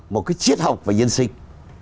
một cái triết học về nhân sinh